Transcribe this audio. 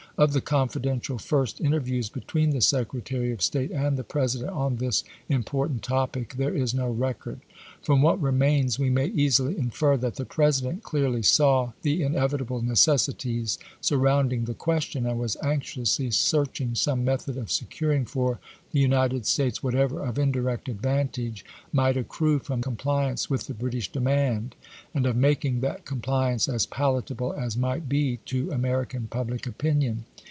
Of the confidential first interviews between the Secretary of State and the President on this impor tant topic there is no record. From what remains we may easily infer that the President clearly saw the ine^'itable necessities surrounding the question, and was anxiously searching some method of secur ing for the United States whatever of indirect advantage might accrue from compliance with the British demand, and of making that compliance as palatable as might be to American public opinion.